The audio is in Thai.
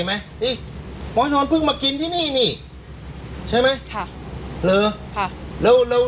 ไหมเฮ่ยเพิ่งมากินที่นี่นี่ใช่ไหมค่ะหรือค่ะแล้ว